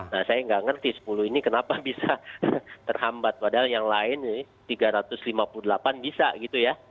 nah saya nggak ngerti sepuluh ini kenapa bisa terhambat padahal yang lain nih tiga ratus lima puluh delapan bisa gitu ya